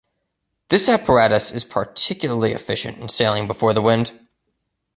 This apparatus is particularly efficient in sailing before the wind.